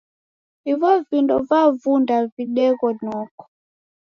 Ivo vindo vavunda videgho noko.